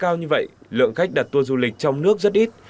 giá vé cao như vậy lượng khách đặt tour du lịch trong nước rất ít